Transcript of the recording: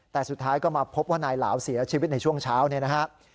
แต่สุดท้ายก็มาพบว่านายเหลาเสียชีวิตในช่วงเช้าเนี่ยนะครับ